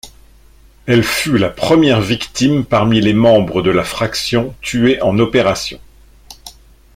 Elle fut la première victime parmi les membres de la fraction tuée en opération.